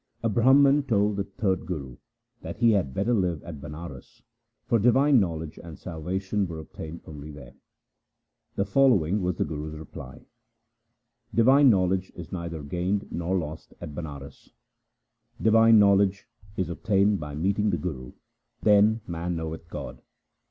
A Brahman told the third Guru that he had better live at Banaras, for divine knowledge and salvation were obtained only there. The following was the Guru's reply :— Divine knowledge is neither gained nor lost at Banaras. Divine knowledge is obtained by meeting the Guru, then man knoweth God.